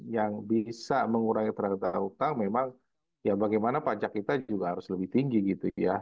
yang bisa mengurangi tenaga utang memang ya bagaimana pajak kita juga harus lebih tinggi gitu ya